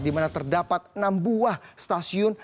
dimana terdapat enam buah stasiun